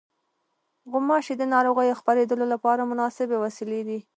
غوماشې د ناروغیو خپرېدلو لپاره مناسبې وسیلې دي.